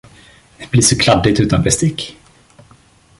Det blir så kladdigt utan bestick.